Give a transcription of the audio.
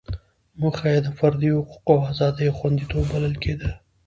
موخه یې د فردي حقوقو او ازادیو خوندیتوب بلل کېده.